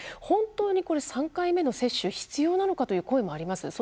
本当に、３回目の接種必要なのかという声もあります。